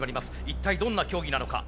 一体どんな競技なのか。